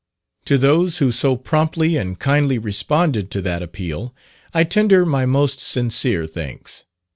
To those who so promptly and kindly responded to that appeal, I tender my most sincere thanks.